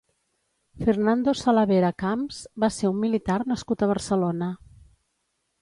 Fernando Salavera Camps va ser un militar nascut a Barcelona.